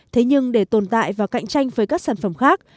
thế nhưng để tồn tại và cạnh tranh với các sản phẩm khác